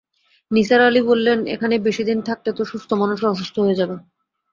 নিসার আলি বললেন, এখানে বেশি দিন থাকলে তো সুস্থ মানুষও অসুস্থ হয়ে যাবে।